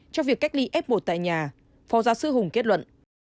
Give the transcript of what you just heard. trong việc cách ly f một tại nhà phó giáo sư hùng kết luận